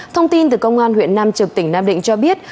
thông tin từ công an huyện nam trực tỉnh nam định cho biết